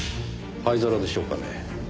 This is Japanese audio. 灰皿でしょうかね？